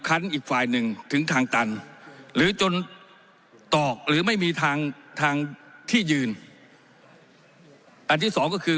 อีกฝ่ายหนึ่งถึงทางตันหรือจนตอกหรือไม่มีทางทางที่ยืนอันที่สองก็คือ